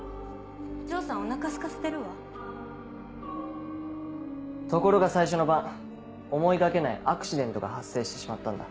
城さんお腹すかせてるわところが最初の晩思いがけないアクシデントが発生してしまったんだ。